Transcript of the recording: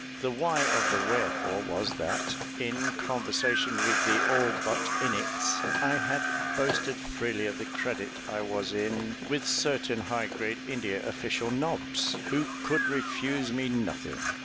The why of the wherefore was that, in conversation with the ALLBUTT INNETTS, I had boasted freely of the credit I was in with certain high grade India Official nobs, who could refuse me nothing.